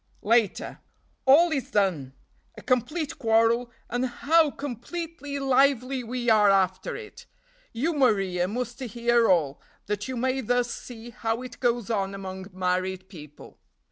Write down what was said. "Later. All is done! A complete quarrel, and how completely lively we are after it! You, Maria, must hear all, that you may thus see how it goes on among married people.